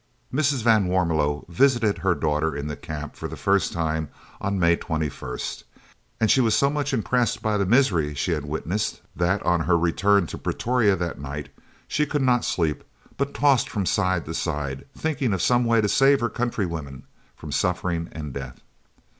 Mrs. van Warmelo visited her daughter in the camp for the first time on May 21st, and she was so much impressed by the misery she had witnessed that, on her return to Pretoria that night, she could not sleep, but tossed from side to side, thinking of some way to save her country women from suffering and death.